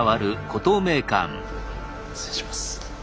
失礼します。